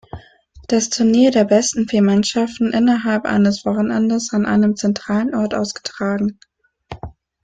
Das Turnier der besten vier Mannschaften innerhalb eines Wochenendes an einem zentralen Ort ausgetragen.